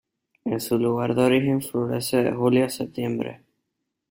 En su lugar de origen florece de julio a septiembre.